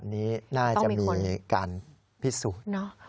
นี้น่าจะมีการพิสูจน์